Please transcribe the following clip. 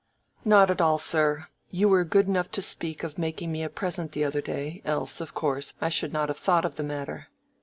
"Not at all, sir. You were good enough to speak of making me a present the other day, else, of course, I should not have thought of the matter."